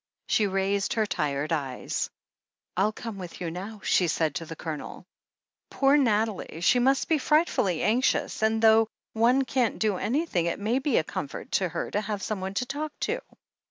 She raised her tired eyes. "FU come with you now," she said to the Colonel. "Poor Nathalie! She must be frightfully anxious, and though one can't do an3rthing, it may be a comfort to her to have someone to talk to."